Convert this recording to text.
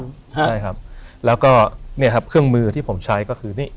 ใช่ครับแล้วก็เนี่ยครับเครื่องมือที่ผมใช้ก็คือนี่